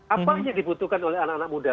apa yang dibutuhkan oleh anak anak muda